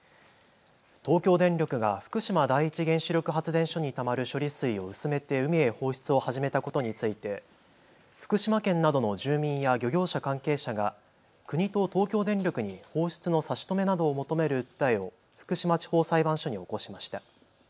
東京電力が福島第一原子力発電所にたまる処理水を薄めて海へ放出を始めたことについて福島県などの住民や漁業者関係者が国と東京電力に放出の差し止めなどを求める訴えを福島地方裁判所に起こしました。